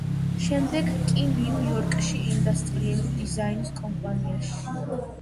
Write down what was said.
შემდეგ კი ნიუ-იორკში, ინდუსტრიული დიზაინის კომპანიაში.